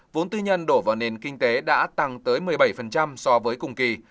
vốn tư nhân đổ vào nền kinh tế đã tăng tới một mươi bảy so với cùng kỳ